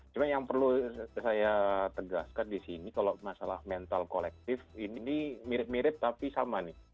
cuma yang perlu saya tegaskan di sini kalau masalah mental kolektif ini mirip mirip tapi sama nih